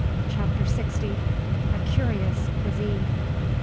CHAPTER SIXTY. A CURIOUS CUISINE.